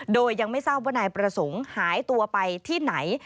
โดยยังไม่ทราบว่านายประสงค์หายตัวไปที่ไหน